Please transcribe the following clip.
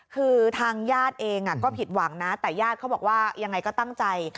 คือทางญาติเองก็ผิดหวังนะแต่ญาติเขาบอกว่ายังไงก็ตั้งใจ